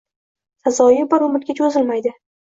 Sazoyi bir umrga cho‘zilmaydi